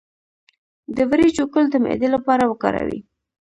د وریجو ګل د معدې لپاره وکاروئ